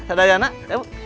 ada yang anak